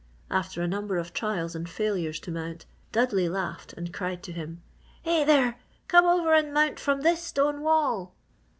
After a number of trials and failures to mount, Dudley laughed and cried to him: "Hey, there! Come over and mount from this stone wall!"